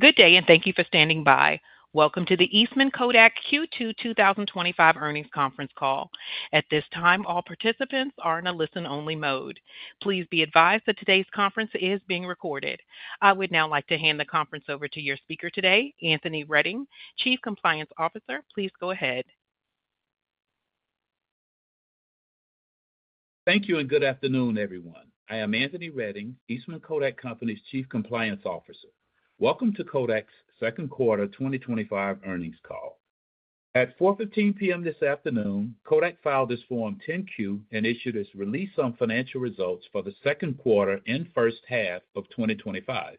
Good day and thank you for standing by. Welcome to the Eastman Kodak Q2 2025 Earnings Conference Call. At this time, all participants are in a listen-only mode. Please be advised that today's conference is being recorded. I would now like to hand the conference over to your speaker today, Anthony Redding, Chief Compliance Officer. Please go ahead. Thank you and good afternoon, everyone. I am Anthony Redding, Eastman Kodak Company's Chief Compliance Officer. Welcome to Kodak's Second Quarter 2025 Earnings Call. At 4:15 P.M. this afternoon, Kodak filed its Form 10-Q and issued its release on financial results for the second quarter and first half of 2025.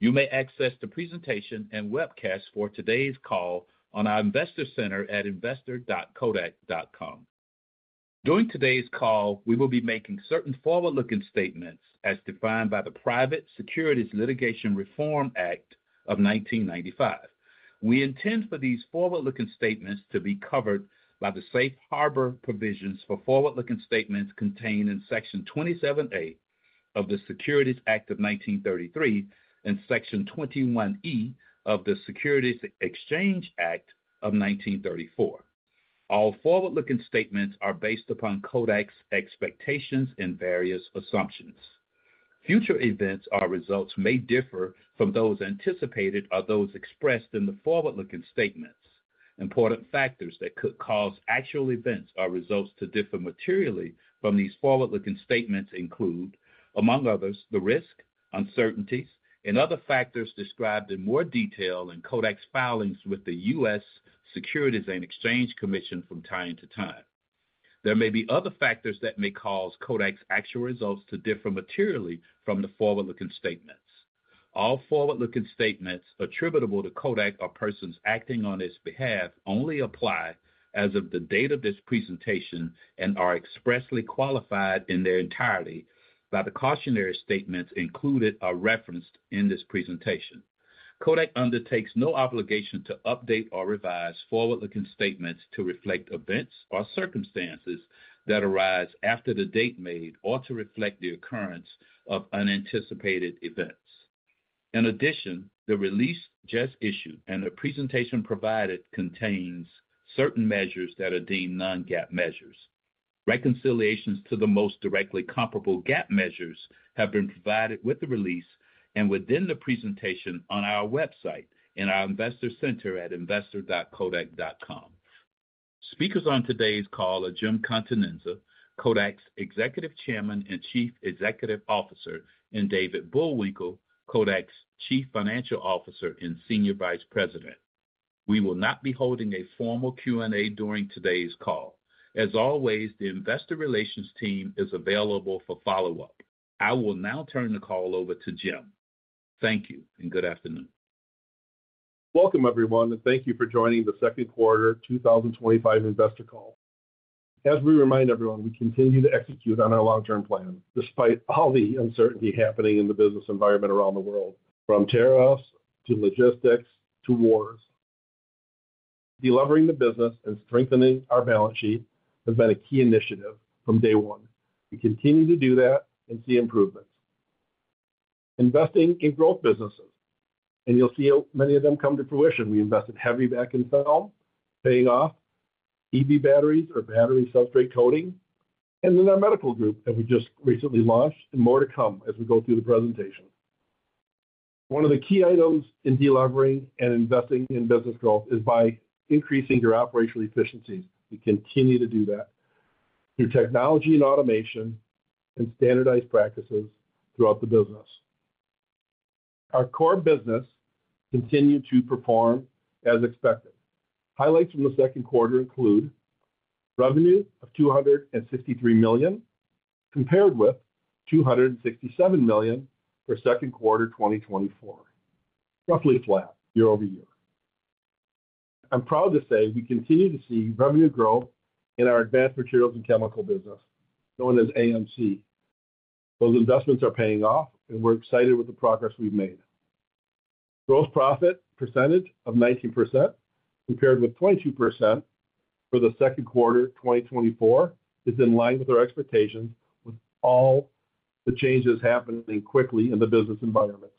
You may access the presentation and webcast for today's call on our Investor Center at investor.kodak.com. During today's call, we will be making certain forward-looking statements as defined by the Private Securities Litigation Reform Act of 1995. We intend for these forward-looking statements to be covered by the Safe Harbor provisions for forward-looking statements contained in Section 27A of the Securities Act of 1933 and Section 21E of the Securities Exchange Act of 1934. All forward-looking statements are based upon Kodak's expectations and various assumptions. Future events or results may differ from those anticipated or those expressed in the forward-looking statements. Important factors that could cause actual events or results to differ materially from these forward-looking statements include, among others, the risk, uncertainties, and other factors described in more detail in Kodak's filings with the U.S. Securities and Exchange Commission from time to time. There may be other factors that may cause Kodak's actual results to differ materially from the forward-looking statements. All forward-looking statements attributable to Kodak or persons acting on its behalf only apply as of the date of this presentation and are expressly qualified in their entirety by the cautionary statements included or referenced in this presentation. Kodak undertakes no obligation to update or revise forward-looking statements to reflect events or circumstances that arise after the date made or to reflect the occurrence of unanticipated events. In addition, the release just issued and the presentation provided contains certain measures that are deemed non-GAAP measures. Reconciliations to the most directly comparable GAAP measures have been provided with the release and within the presentation on our website and our Investor Center at investor.kodak.com. Speakers on today's call are Jim Continenza, Kodak's Executive Chairman and Chief Executive Officer, and David Bullwinkle, Kodak's Chief Financial Officer and Senior Vice President. We will not be holding a formal Q&A during today's call. As always, the Investor Relations team is available for follow-up. I will now turn the call over to Jim. Thank you and good afternoon. Welcome, everyone, and thank you for joining the second quarter 2025 investor call. As we remind everyone, we continue to execute on our long-term plan despite all the uncertainty happening in the business environment around the world, from tariffs to logistics to wars. Delivering the business and strengthening our balance sheet has been a key initiative from day one. We continue to do that and see improvement. Investing in growth businesses, and you'll see many of them come to fruition. We invested heavy back in film, paying off EV batteries or battery substrate coating, and then our medical group that we just recently launched, and more to come as we go through the presentation. One of the key items in delivering and investing in business growth is by increasing your operational efficiency. We continue to do that through technology and automation and standardized practices throughout the business. Our core business continued to perform as expected. Highlights from the second quarter include revenue of $263 million compared with $267 million for second quarter 2024, roughly flat year-over-year. I'm proud to say we continue to see revenue grow in our Advanced Materials and Chemical business, known as AMC. Those investments are paying off, and we're excited with the progress we've made. Gross profit percentage of 19% compared with 22% for the second quarter 2024 is in line with our expectations with all the changes happening quickly in the business environments.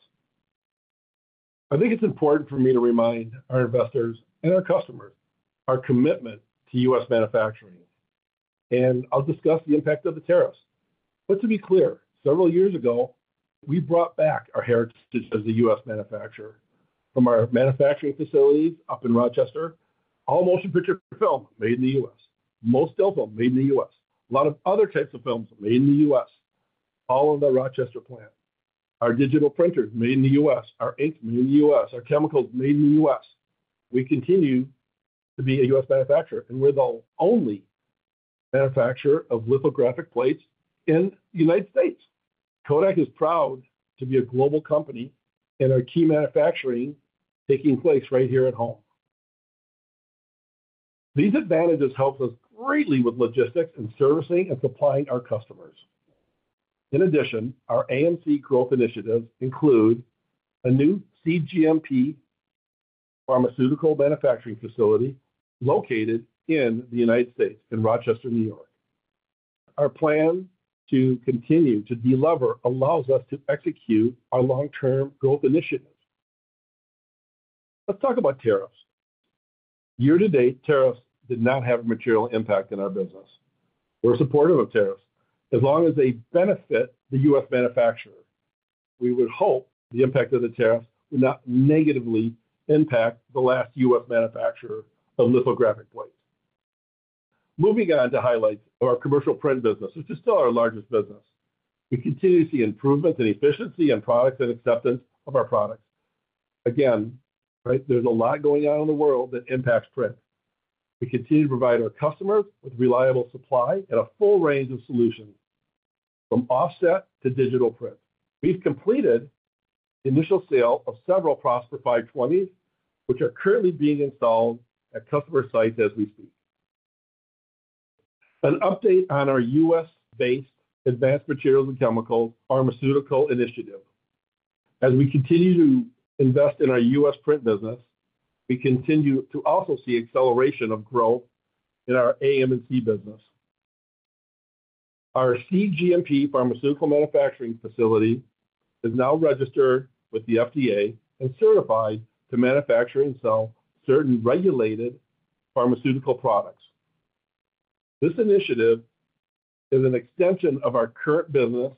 I think it's important for me to remind our investors and our customers our commitment to U.S. manufacturing, and I'll discuss the impact of the tariffs. To be clear, several years ago, we brought back our heritage as a U.S. manufacturer. From our manufacturing facilities up in Rochester, all motion picture film made in the U.S., most film made in the U.S., a lot of other types of films made in the U.S., all in the Rochester plant. Our digital printers made in the U.S., our ink made in the U.S., our chemicals made in the U.S. We continue to be a U.S. manufacturer, and we're the only manufacturer of lithographic plates in the United States. Kodak is proud to be a global company, and our key manufacturing is taking place right here at home. These advantages help us greatly with logistics and servicing and supplying our customers. In addition, our AMC growth initiatives include a new cGMP pharmaceutical manufacturing facility located in the United States in Rochester, New York. Our plan to continue to deliver allows us to execute our long-term growth initiatives. Let's talk about tariffs. Year-to-date, tariffs did not have a material impact on our business. We're supportive of tariffs as long as they benefit the U.S. manufacturer. We would hope the impact of the tariffs would not negatively impact the last U.S. manufacturer of lithographic plates. Moving on to highlights of our commercial print business, which is still our largest business. We continue to see improvements in efficiency and products and acceptance of our products. There's a lot going on in the world that impacts print. We continue to provide our customers with reliable supply and a full range of solutions from offset to digital print. We've completed the initial sale of several PROSPER 520, which are currently being installed at customer sites as we speak. An update on our U.S.-based advanced materials and chemical pharmaceutical initiative. As we continue to invest in our U.S. print business, we continue to also see acceleration of growth in our AM&C business. Our cGMP pharmaceutical manufacturing facility is now registered with the FDA and certified to manufacture and sell certain regulated pharmaceutical products. This initiative is an extension of our current business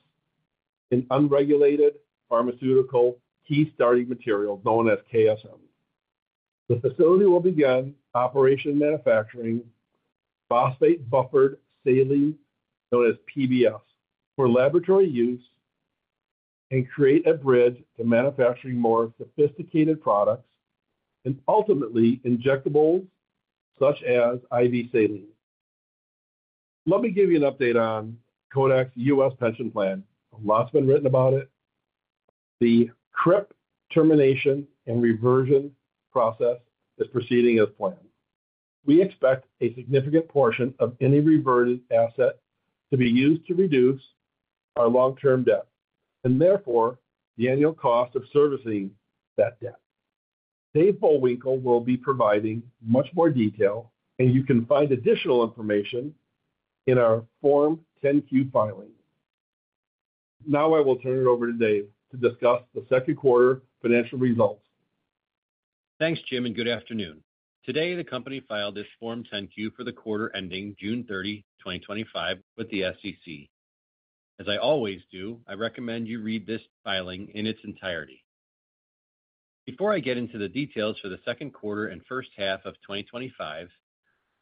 in unregulated pharmaceutical key starting material known as KSM. The facility will begin operation manufacturing phosphate buffered saline, known as PBS, for laboratory use and create a bridge to manufacturing more sophisticated products and ultimately injectables such as IV saline. Let me give you an update on Kodak's U.S. pension plan. A lot's been written about it. The KRIP termination and reversion process is proceeding as planned. We expect a significant portion of any reverted asset to be used to reduce our long-term debt and therefore the annual cost of servicing that debt. Dave Bullwinkle will be providing much more detail, and you can find additional information in our Form 10-Q filings. Now I will turn it over to Dave to discuss the second quarter financial results. Thanks, Jim, and good afternoon. Today, the company filed this Form 10-Q for the quarter ending June 30, 2025, with the SEC. As I always do, I recommend you read this filing in its entirety. Before I get into the details for the second quarter and first half of 2025,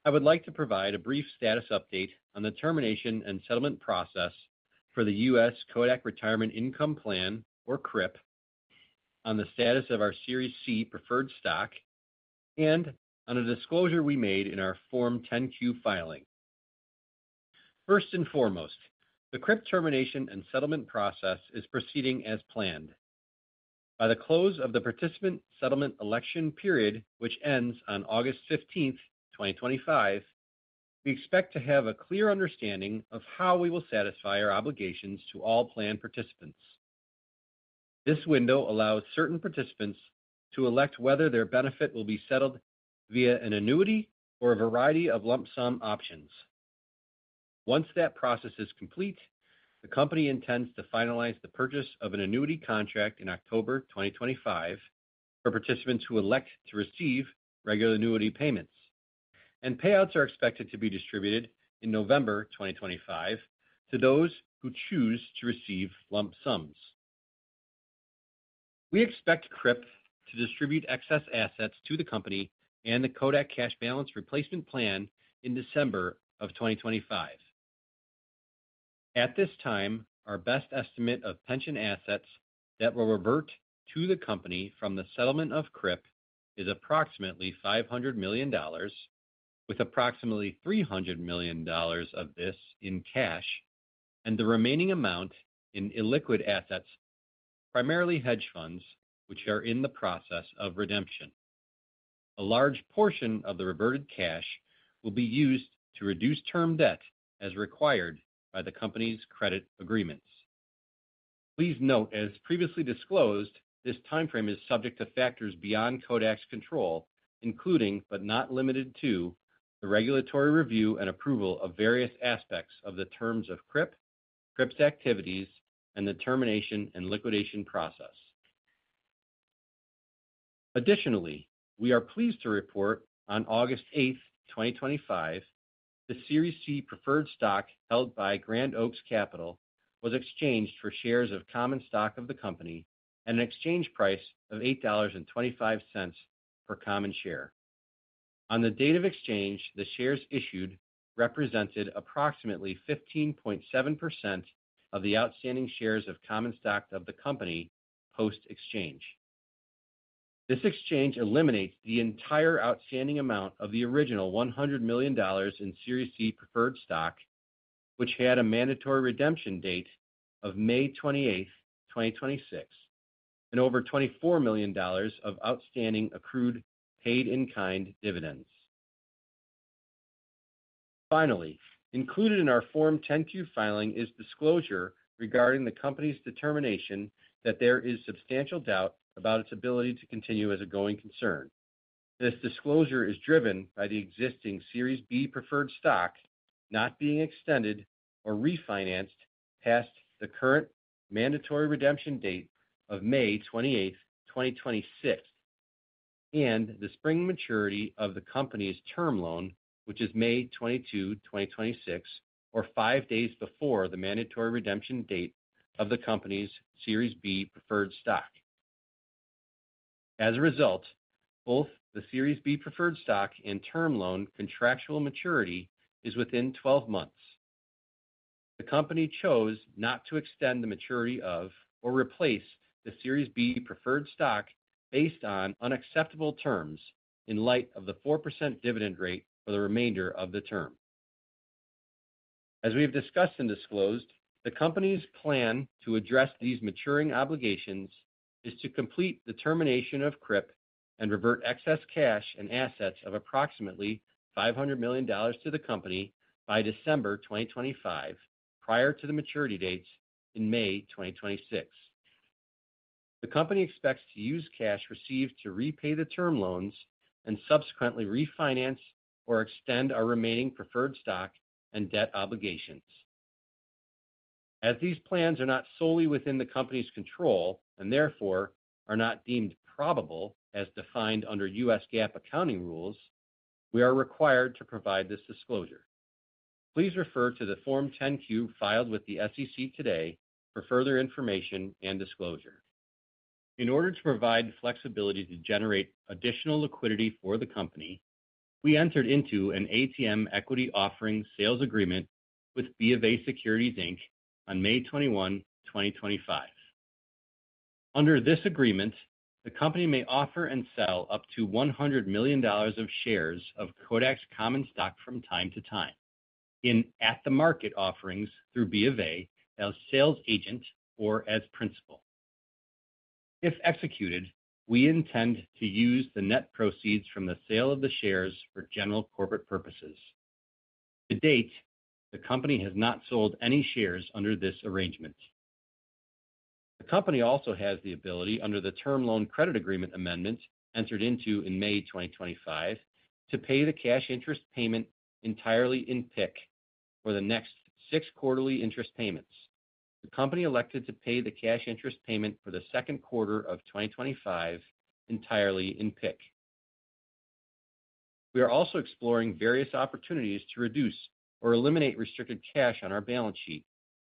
I would like to provide a brief status update on the termination and settlement process for the U.S. Kodak Retirement Income Plan, or KRIP, on the status of our Series C preferred stock and on a disclosure we made in our Form 10-Q filing. First and foremost, the KRIP termination and settlement process is proceeding as planned. By the close of the participant settlement election period, which ends on August 15, 2025, we expect to have a clear understanding of how we will satisfy our obligations to all plan participants. This window allows certain participants to elect whether their benefit will be settled via an annuity or a variety of lump sum options. Once that process is complete, the company intends to finalize the purchase of an annuity contract in October 2025 for participants who elect to receive regular annuity payments, and payouts are expected to be distributed in November 2025 to those who choose to receive lump sums. We expect KRIP to distribute excess assets to the company and the Kodak Cash Balance Replacement Plan in December 2025. At this time, our best estimate of pension assets that will revert to the company from the settlement of KRIP is approximately $500 million, with approximately $300 million of this in cash and the remaining amount in illiquid assets, primarily hedge funds, which are in the process of redemption. A large portion of the reverted cash will be used to reduce term debts as required by the company's credit agreements. Please note, as previously disclosed, this timeframe is subject to factors beyond Kodak's control, including but not limited to the regulatory review and approval of various aspects of the terms of KRIP, KRIP's activities, and the termination and liquidation process. Additionally, we are pleased to report on August 8, 2025, the Series C preferred stock held by Grand Oaks Capital was exchanged for shares of common stock of the company at an exchange price of $8.25 per common share. On the date of exchange, the shares issued represented approximately 15.7% of the outstanding shares of common stock of the company post-exchange. This exchange eliminates the entire outstanding amount of the original $100 million in Series C preferred stock, which had a mandatory redemption date of May 28, 2026, and over $24 million of outstanding accrued paid-in-kind dividends. Finally, included in our Form 10-Q filing is a disclosure regarding the company's determination that there is substantial doubt about its ability to continue as a going concern. This disclosure is driven by the existing Series B preferred stock not being extended or refinanced past the current mandatory redemption date of May 28, 2026, and the spring maturity of the company's term loan, which is May 22, 2026, or five days before the mandatory redemption date of the company's Series B preferred stock. As a result, both the Series B preferred stock and term loan contractual maturity is within 12 months. The company chose not to extend the maturity of or replace the Series B preferred stock based on unacceptable terms in light of the 4% dividend rate for the remainder of the term. As we have discussed and disclosed, the company's plan to address these maturing obligations is to complete the termination of KRIP and revert excess cash and assets of approximately $500 million to the company by December 2025, prior to the maturity dates in May 2026. The company expects to use cash received to repay the term loans and subsequently refinance or extend our remaining preferred stock and debt obligations. As these plans are not solely within the company's control and therefore are not deemed probable as defined under U.S. GAAP accounting rules, we are required to provide this disclosure. Please refer to the Form 10-Q filed with the SEC today for further information and disclosure. In order to provide flexibility to generate additional liquidity for the company, we entered into an ATM equity offering sales agreement with BofA Securities Inc. on May 21, 2025. Under this agreement, the company may offer and sell up to $100 million of shares of Kodak's common stock from time to time in at-the-market offerings through BofA as sales agent or as principal. If executed, we intend to use the net proceeds from the sale of the shares for general corporate purposes. To date, the company has not sold any shares under this arrangement. The company also has the ability, under the term loan credit agreement amendments entered into in May 2025, to pay the cash interest payment entirely in PIK for the next six quarterly interest payments. The company elected to pay the cash interest payment for the second quarter of 2025 entirely in PIK. We are also exploring various opportunities to reduce or eliminate restricted cash on our balance sheet.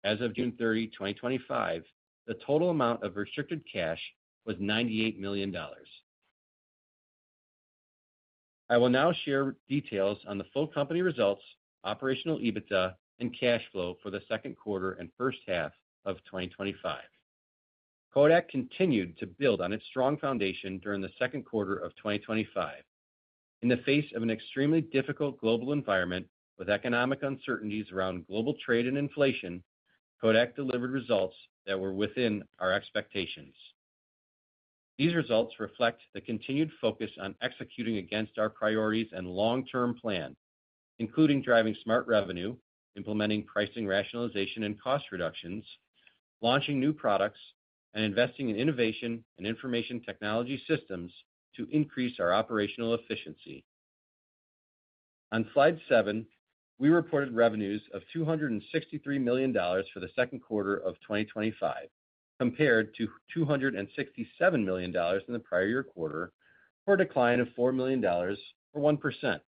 As of June 30, 2025, the total amount of restricted cash was $98 million. I will now share details on the full company results, operational EBITDA, and cash flow for the second quarter and first half of 2025. Kodak continued to build on its strong foundation during the second quarter of 2025. In the face of an extremely difficult global environment with economic uncertainties around global trade and inflation, Kodak delivered results that were within our expectations. These results reflect the continued focus on executing against our priorities and long-term plan, including driving smart revenue, implementing pricing rationalization and cost reductions, launching new products, and investing in innovation and information technology systems to increase our operational efficiency. On slide seven, we reported revenues of $263 million for the second quarter of 2025, compared to $267 million in the prior year quarter, for a decline of $4 million or 1%.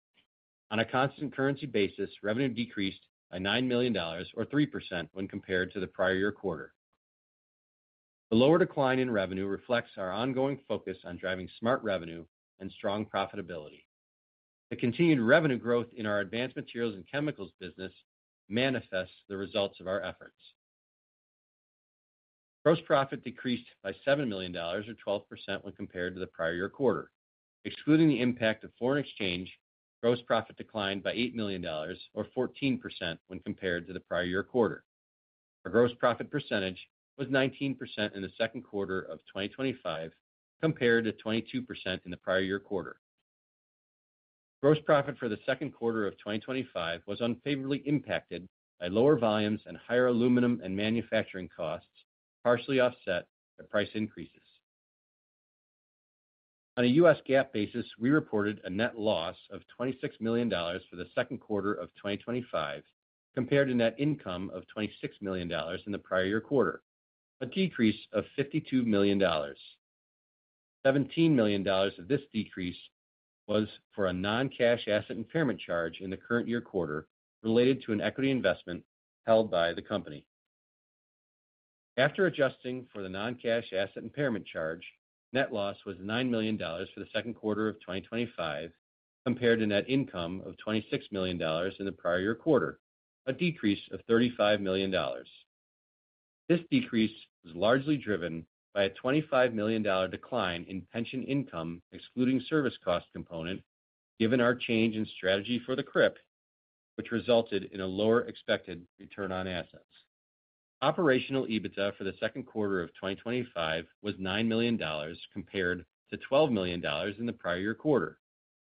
On a constant currency basis, revenue decreased by $9 million or 3% when compared to the prior year quarter. The lower decline in revenue reflects our ongoing focus on driving smart revenue and strong profitability. The continued revenue growth in our advanced materials and chemicals business manifests the results of our efforts. Gross profit decreased by $7 million or 12% when compared to the prior year quarter. Excluding the impact of foreign exchange, gross profit declined by $8 million or 14% when compared to the prior year quarter. Our gross profit percentage was 19% in the second quarter of 2025, compared to 22% in the prior year quarter. Gross profit for the second quarter of 2025 was unfavorably impacted by lower volumes and higher aluminum and manufacturing costs, partially offset by price increases. On a U.S. GAAP basis, we reported a net loss of $26 million for the second quarter of 2025, compared to net income of $26 million in the prior year quarter, a decrease of $52 million. $17 million of this decrease was for a non-cash asset impairment charge in the current year quarter related to an equity investment held by the company. After adjusting for the non-cash asset impairment charge, net loss was $9 million for the second quarter of 2025, compared to net income of $26 million in the prior year quarter, a decrease of $35 million. This decrease was largely driven by a $25 million decline in pension income, excluding service cost component, given our change in strategy for the KRIP, which resulted in a lower expected return on assets. Operational EBITDA for the second quarter of 2025 was $9 million compared to $12 million in the prior year quarter,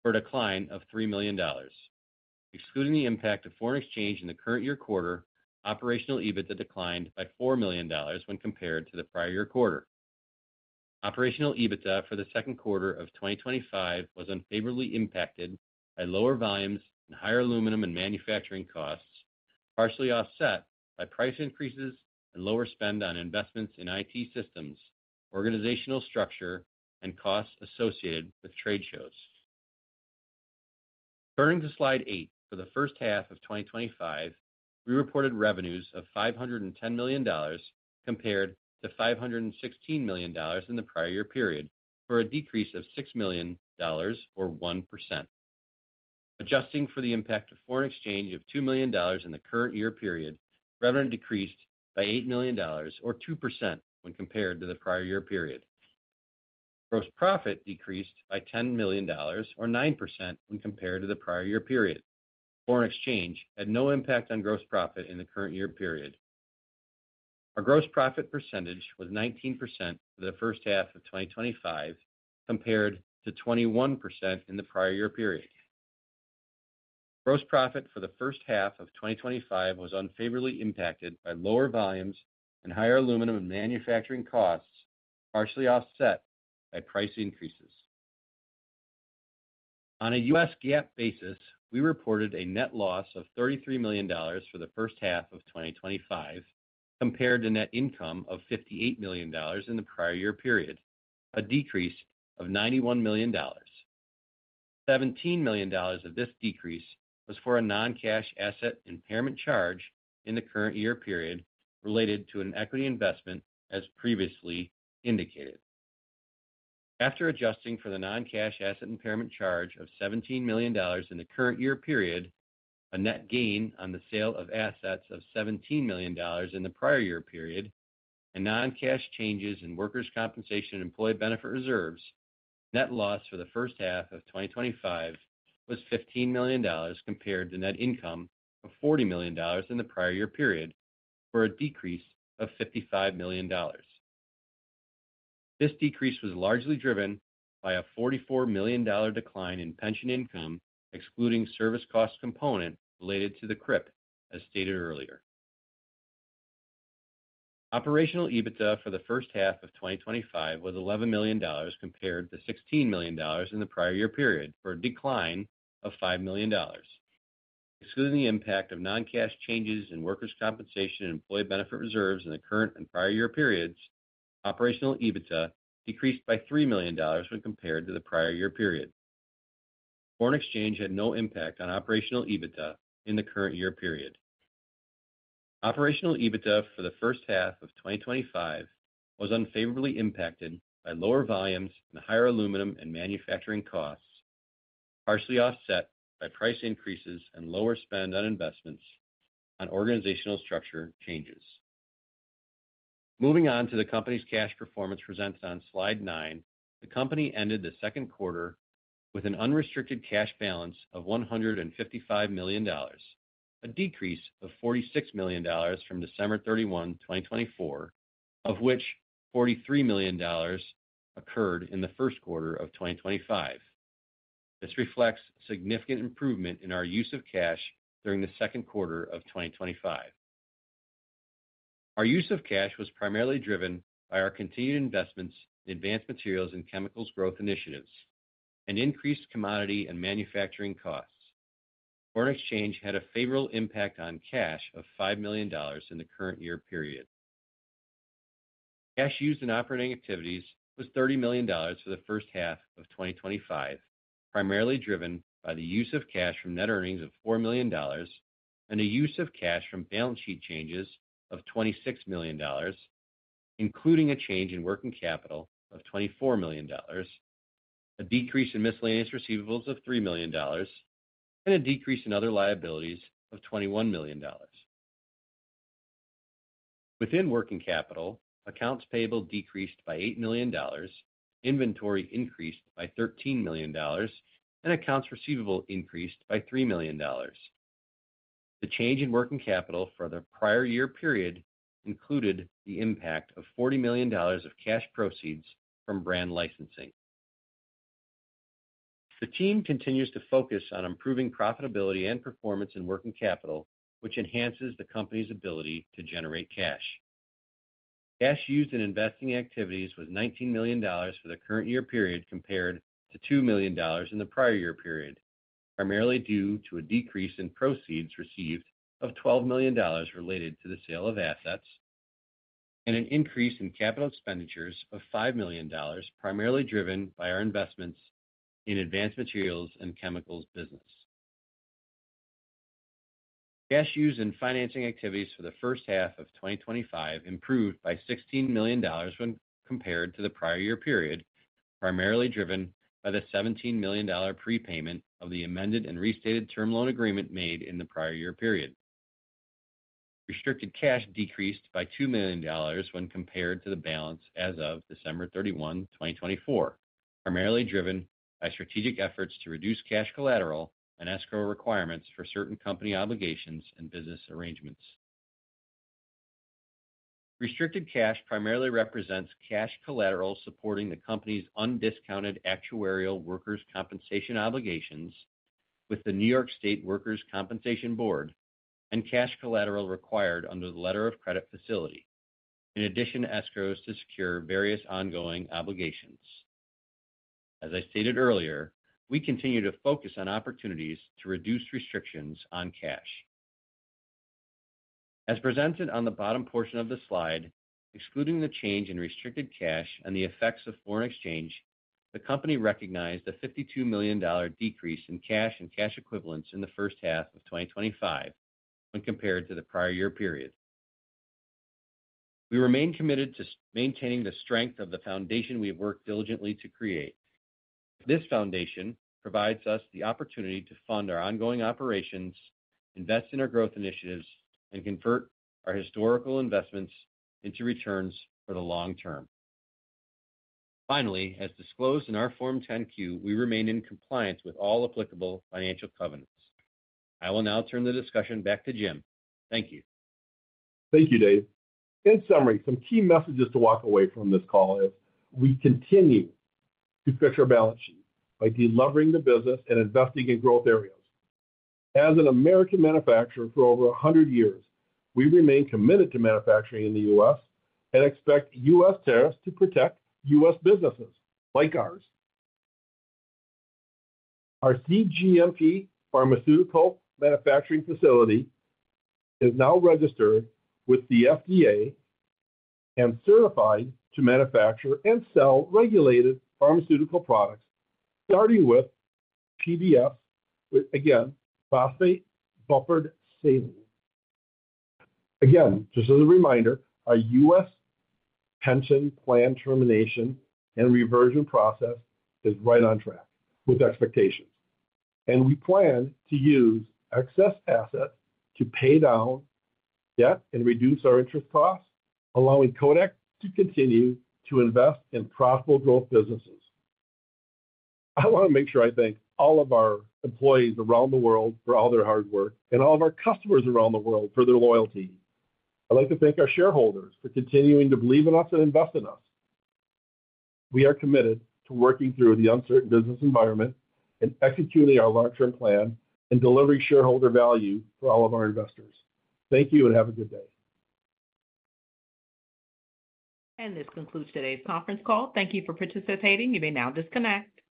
for a decline of $3 million. Excluding the impact of foreign exchange in the current year quarter, operational EBITDA declined by $4 million when compared to the prior year quarter. Operational EBITDA for the second quarter of 2025 was unfavorably impacted by lower volumes and higher aluminum and manufacturing costs, partially offset by price increases and lower spend on investments in IT systems, organizational structure, and costs associated with trade shows. Turning to slide eight for the first half of 2025, we reported revenues of $510 million compared to $516 million in the prior year period, for a decrease of $6 million or 1%. Adjusting for the impact of foreign exchange of $2 million in the current year period, revenue decreased by $8 million or 2% when compared to the prior year period. Gross profit decreased by $10 million or 9% when compared to the prior year period. Foreign exchange had no impact on gross profit in the current year period. Our gross profit percentage was 19% for the first half of 2025, compared to 21% in the prior year period. Gross profit for the first half of 2025 was unfavorably impacted by lower volumes and higher aluminum and manufacturing costs, partially offset by price increases. On a U.S. GAAP basis, we reported a net loss of $33 million for the first half of 2025, compared to net income of $58 million in the prior year period, a decrease of $91 million. $17 million of this decrease was for a non-cash asset impairment charge in the current year period related to an equity investment, as previously indicated. After adjusting for the non-cash asset impairment charge of $17 million in the current year period, a net gain on the sale of assets of $17 million in the prior year period, and non-cash changes in workers' compensation and employee benefit reserves, net loss for the first half of 2025 was $15 million compared to net income of $40 million in the prior year period, for a decrease of $55 million. This decrease was largely driven by a $44 million decline in pension income, excluding service cost component related to the KRIP, as stated earlier. Operational EBITDA for the first half of 2025 was $11 million compared to $16 million in the prior year period, for a decline of $5 million. Excluding the impact of non-cash changes in workers' compensation and employee benefit reserves in the current and prior year periods, operational EBITDA decreased by $3 million when compared to the prior year period. Foreign exchange had no impact on operational EBITDA in the current year period. Operational EBITDA for the first half of 2025 was unfavorably impacted by lower volumes and higher aluminum and manufacturing costs, partially offset by price increases and lower spend on investments on organizational structure changes. Moving on to the company's cash performance presented on slide nine, the company ended the second quarter with an unrestricted cash balance of $155 million, a decrease of $46 million from December 31, 2024, of which $43 million occurred in the first quarter of 2025. This reflects significant improvement in our use of cash during the second quarter of 2025. Our use of cash was primarily driven by our continued investments in Advanced Materials and Chemicals growth initiatives and increased commodity and manufacturing costs. Foreign exchange had a favorable impact on cash of $5 million in the current year period. Cash used in operating activities was $30 million for the first half of 2025, primarily driven by the use of cash from net earnings of $4 million and the use of cash from balance sheet changes of $26 million, including a change in working capital of $24 million, a decrease in miscellaneous receivables of $3 million, and a decrease in other liabilities of $21 million. Within working capital, accounts payable decreased by $8 million, inventory increased by $13 million, and accounts receivable increased by $3 million. The change in working capital for the prior year period included the impact of $40 million of cash proceeds from brand licensing. The team continues to focus on improving profitability and performance in working capital, which enhances the company's ability to generate cash. Cash used in investing activities was $19 million for the current year period compared to $2 million in the prior year period, primarily due to a decrease in proceeds received of $12 million related to the sale of assets and an increase in capital expenditures of $5 million, primarily driven by our investments in Advanced Materials and Chemicals business. Cash used in financing activities for the first half of 2025 improved by $16 million when compared to the prior year period, primarily driven by the $17 million prepayment of the amended and restated term loan agreement made in the prior year period. Restricted cash decreased by $2 million when compared to the balance as of December 31, 2024, primarily driven by strategic efforts to reduce cash collateral and escrow requirements for certain company obligations and business arrangements. Restricted cash primarily represents cash collateral supporting the company's undiscounted actuarial workers' compensation obligations with the New York State Workers' Compensation Board and cash collateral required under the letter of credit facility, in addition to escrows to secure various ongoing obligations. As I stated earlier, we continue to focus on opportunities to reduce restrictions on cash. As presented on the bottom portion of the slide, excluding the change in restricted cash and the effects of foreign exchange, the company recognized the $52 million decrease in cash and cash equivalents in the first half of 2025 when compared to the prior year period. We remain committed to maintaining the strength of the foundation we have worked diligently to create. This foundation provides us the opportunity to fund our ongoing operations, invest in our growth initiatives, and convert our historical investments into returns for the long term. Finally, as disclosed in our Form 10-Q, we remain in compliance with all applicable financial covenants. I will now turn the discussion back to Jim. Thank you. Thank you, Dave. In summary, some key messages to walk away from this call are: we continue to stretch our balance sheet by delivering the business and investing in growth areas. As an American manufacturer for over 100 years, we remain committed to manufacturing in the U.S. and expect U.S. tariffs to protect U.S. businesses like ours. Our cGMP pharmaceutical manufacturing facility is now registered with the FDA and certified to manufacture and sell regulated pharmaceutical products, starting with PBS, again, phosphate buffered saline. Again, just as a reminder, our U.S. pension plan termination and reversion process is right on track with expectations, and we plan to use excess assets to pay down debt and reduce our interest costs, allowing Kodak to continue to invest in profitable growth businesses. I want to make sure I thank all of our employees around the world for all their hard work and all of our customers around the world for their loyalty. I'd like to thank our shareholders for continuing to believe in us and invest in us. We are committed to working through the uncertain business environment and executing our long-term plan and delivering shareholder value for all of our investors. Thank you and have a good day. This concludes today's conference call. Thank you for participating. You may now disconnect.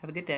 Have a good day.